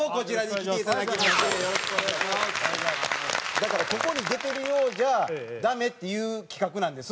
だからここに出てるようじゃダメっていう企画なんです。